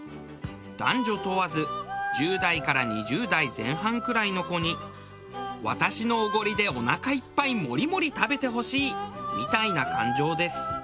男女問わず１０代から２０代前半くらいの子に私のおごりでおなかいっぱいモリモリ食べてほしいみたいな感情です。